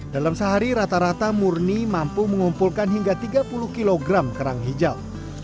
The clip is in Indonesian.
dalam sehari rata rata murni mampu mengumpulkan hingga tiga puluh kg kerang hijau